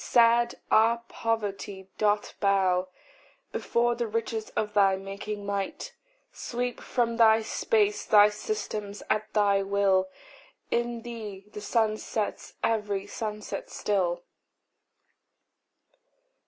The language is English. Sad our poverty doth bow Before the riches of thy making might: Sweep from thy space thy systems at thy will In thee the sun sets every sunset still.